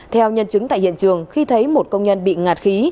theo nhân chứng tại hiện trường khi thấy một công nhân bị ngạt khí